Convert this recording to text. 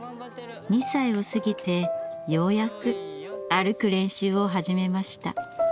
２歳を過ぎてようやく歩く練習を始めました。